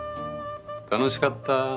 楽しかった。